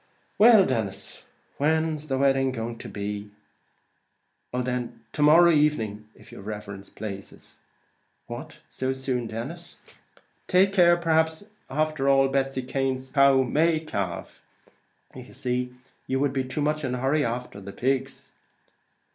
"Well, Denis, and when's the wedding to be?" "Oh then, to morrow evening, if yer riverence plazes." "What! so soon, Denis? Take care; perhaps after all Betsy Cane's cow may calve; see; would you be too much in a hurry after the pigs?"